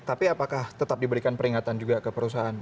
tapi apakah tetap diberikan peringatan juga ke perusahaan